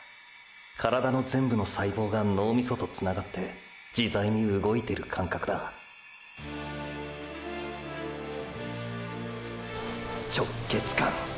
体の全部の細胞が脳ミソとつながって自在に動いてる感覚だ“直結感”！！